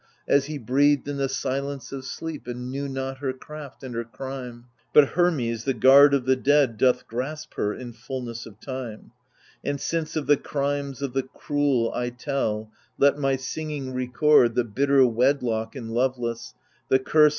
As he breathed in the silence of sleep, and knew .not her craft and her crime — But Hermes, the guard of the dead, doth grasp her, in fulness of time. And since of the crimes of the cruel I tell, let my singing record The bitter wedlock and loveless, the curse on these halls outpoured, on the hearth was consumed.